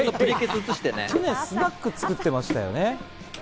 去年はスナックを作ってましたよね。